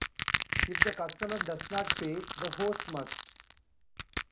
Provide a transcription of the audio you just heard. If the customer does not pay, the host must.